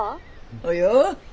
およ。